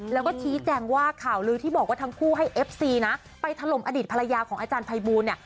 แล้วก็ชี้แจงว่าข่าวลือที่บอกว่าทั้งคู่ให้เอฟซีนะไปถล่มอดีตภรรยาของอาจารย์ภัยบูลเนี่ย